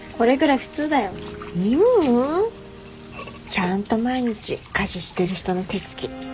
ちゃんと毎日家事してる人の手つき。